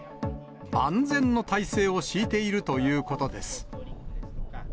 万全の態勢を敷いているということです。